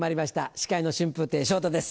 司会の春風亭昇太です。